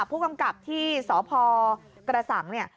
ผู้กำกับที่สพกระสังเนี่ย